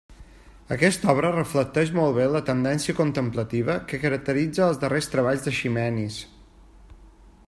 Aquesta obra reflecteix molt bé la tendència contemplativa que caracteritza els darrers treballs d’Eiximenis.